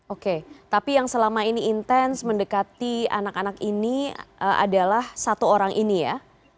oke tapi yang selama ini intens mendekati anak anak ini adalah satu orang ini ya